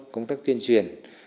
công tác tuyên truyền